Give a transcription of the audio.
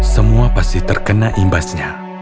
semua pasti terkena imbasnya